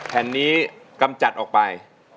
แผ่นนี้กำจัดออกไป